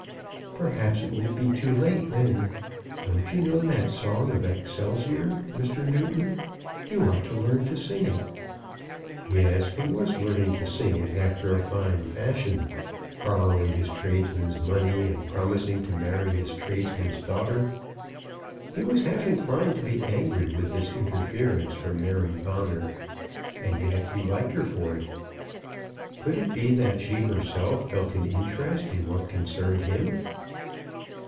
"Perhaps it will be too late then. Don't you know that song of 'Excelsior,' Mr. Newton? You ought to learn to sing it." Yes; he was learning to sing it after a fine fashion; borrowing his tradesman's money, and promising to marry his tradesman's daughter! He was half inclined to be angry with this interference from Mary Bonner; and yet he liked her for it. Could it be that she herself felt an interest in what concerned him?